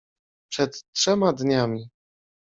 — Przed trzema dniami!